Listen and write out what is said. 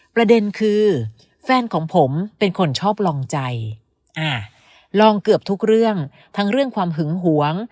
ประเด็นคือแฟนของผมเป็นคนชอบลองใจอ่าลองเกือบทุกเรื่องทั้งเรื่องความหึงหวง